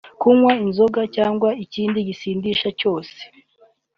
Kunywa inzoga cyangwa ikindi gisindisha cyose